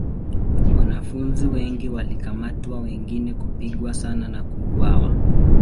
Wanafunzi wengi walikamatwa wengine kupigwa sana na kuuawa.